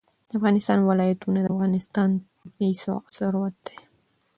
د افغانستان ولايتونه د افغانستان طبعي ثروت دی.